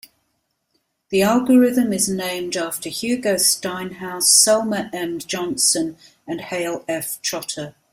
The algorithm is named after Hugo Steinhaus, Selmer M. Johnson and Hale F. Trotter.